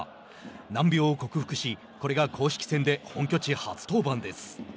難病を克服しこれが公式戦で本拠地初登板です。